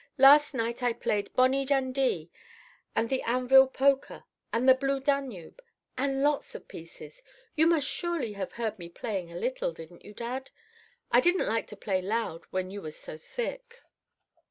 Last night I played "Bonnie Dundee" and the "Anvil Polka" and the "Blue Danube"—and lots of pieces. You must surely have heard me playing a little, didn't you, dad? I didn't like to play loud when you was so sick.